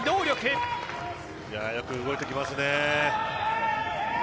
よく動いていますね。